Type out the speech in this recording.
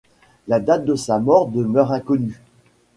La date de sa mort demeure inconnue.